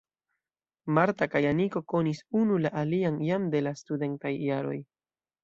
Marta kaj Aniko konis unu la alian jam de la studentaj jaroj.